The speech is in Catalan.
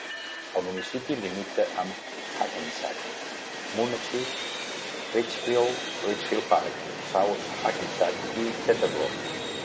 El municipi limita amb Hackensack, Moonachie, Ridgefield, Ridgefield Park, South Hackensack i Teterboro.